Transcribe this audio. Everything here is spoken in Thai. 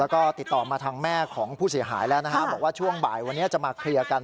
แล้วก็ติดต่อมาทางแม่ของผู้เสียหายแล้วนะฮะบอกว่าช่วงบ่ายวันนี้จะมาเคลียร์กัน